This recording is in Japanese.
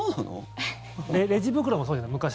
レジ袋もそうじゃないですか。